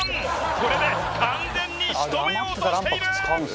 これで完全に仕留めようとしている！